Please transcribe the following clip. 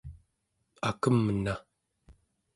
akemna